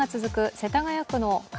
世田谷区の壁